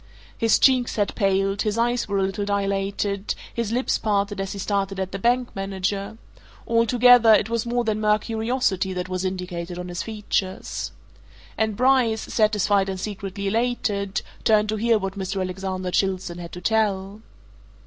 His cheeks had paled, his eyes were a little dilated, his lips parted as he stared at the bank manager altogether, it was more than mere curiosity that was indicated on his features. And Bryce, satisfied and secretly elated, turned to hear what Mr. Alexander Chilstone had to tell.